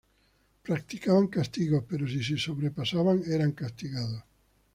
Practicaban castigos pero si se sobrepasaban eran castigados.